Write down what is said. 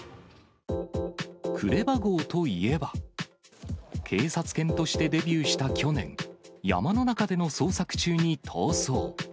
クレバ号といえば、警察犬としてデビューした去年、山の中での捜索中に逃走。